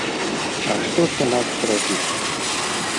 А што ж інакш рабіць?